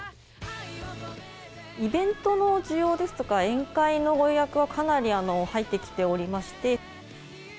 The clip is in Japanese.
イベントの需要ですとか、宴会のご予約はかなり入ってきておりまして。